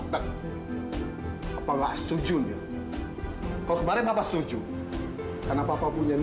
sampai jumpa di video selanjutnya